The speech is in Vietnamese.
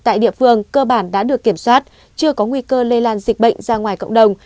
tại địa phương cơ bản đã được kiểm soát chưa có nguy cơ lây lan dịch bệnh ra ngoài cộng đồng